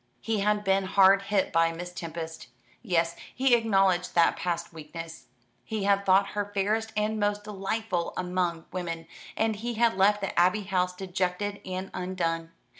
He had been hard hit by Miss Tempest. Yes, he acknowledged that past weakness. He had thought her fairest and most delightful among women, and he had left the Abbey House dejected and undone.